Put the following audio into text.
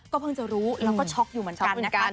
เพิ่งจะรู้แล้วก็ช็อกอยู่เหมือนกันนะคะ